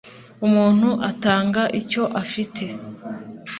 Umuntu atanga icyo afite